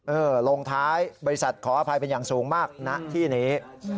ลงท้ายบริษัทขออภัยเป็นอย่างสูงมากณที่นี้